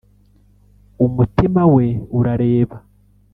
umutima we urareba